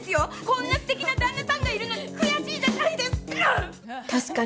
こんな素敵な旦那さんがいるのに悔しいじゃないですか！